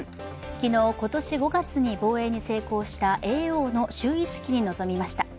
昨日今年５月に防衛に成功した叡王の就位式に臨みました。